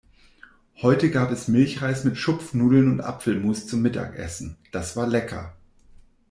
Heute gab es Milchreis mit Schupfnudeln und Apfelmus zum Mittagessen. Das war lecker.